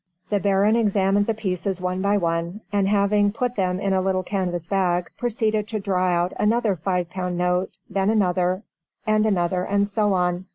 The Baron examined the pieces one by one, and having put them in a little canvas bag, proceeded to draw out another five pound note, then another, and another and so on.